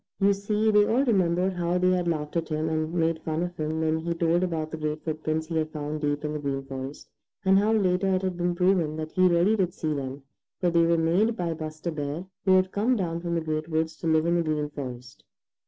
You see, they all remembered how they had laughed at him and made fun of him when he told about the great footprints he had found deep in the Green Forest, and how later it had been proven that he really did see them, for they were made by Buster Bear who had come down from the Great Woods to live in the Green Forest.